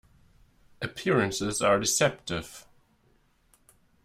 Appearances are deceptive.